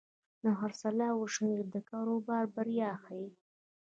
د خرڅلاو شمېره د کاروبار بریا ښيي.